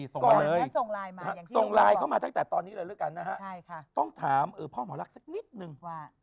ต้องถามพ่อหมอลักษณ์สักนิดหนึ่งว่า